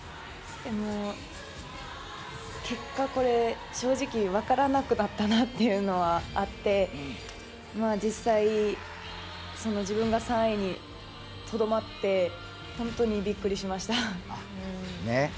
結果、これ、正直分からなくなったなっていうのはあって実際、その自分が３位にとどまって本当にびっくりしました。